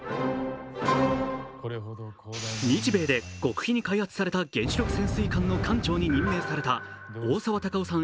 日米で極秘に開発された原子力潜水艦の艦長に任命された大沢たかおさん